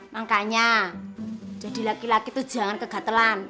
makanya jadi laki laki itu jangan kegatelan